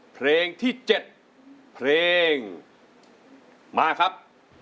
เพลงที่๗เพลงมาครับ